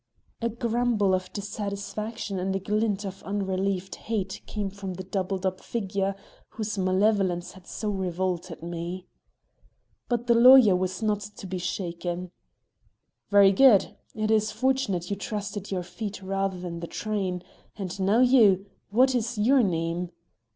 A grumble of dissatisfaction and a glint of unrelieved hate came from the doubled up figure, whose malevolence had so revolted me. But the lawyer was not to be shaken. "Very good! It is fortunate you trusted your feet rather than the train. And now you! What is your name?"